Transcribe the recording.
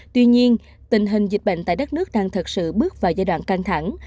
tuy nhiên tình hình dịch bệnh tại đất nước đang thật sự bước vào giai đoạn căng thẳng